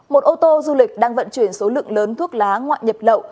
một ô tô du lịch đang vận chuyển số lượng lớn thuốc lá ngoại nhập lậu